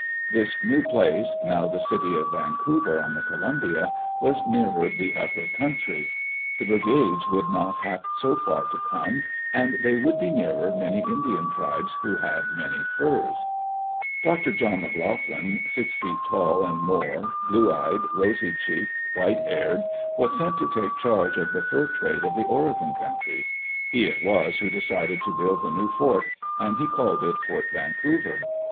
This new place, now the city of Vancouver, on the Columbia, was nearer the upper country. The brigades would not have so far to come, and they would be nearer many Indian tribes who had many furs. Digitized by VjOOQ IC iFORT YANCOUVER AND JOHN McLOUGHLIN Dr. John McLoughlin, six feet tall and more, blue eyed, rosy cheeked, white haired, was sent to take charge of the fur trade of the Oregon country. He It was who decided to build the new fort, and he called it Fort Van couver.